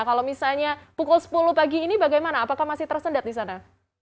kalau misalnya pukul sepuluh pagi ini bagaimana apakah masih tersendat di sana